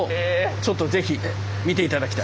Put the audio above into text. ちょっと是非見て頂きたい。